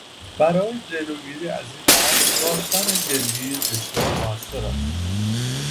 برای جلوگیری ازا ین امر، داشتن گلگیر بسیار موثر است.